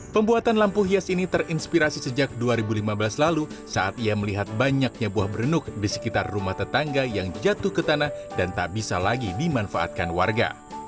pembuatan lampu hias ini terinspirasi sejak dua ribu lima belas lalu saat ia melihat banyaknya buah berenuk di sekitar rumah tetangga yang jatuh ke tanah dan tak bisa lagi dimanfaatkan warga